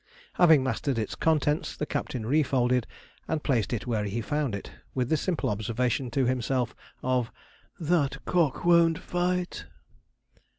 Having mastered its contents, the Captain refolded and placed it where he found it, with the simple observation to himself of 'That cock won't fight.'